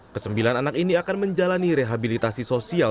kesembilan anak ini akan menjalani rehabilitasi sosial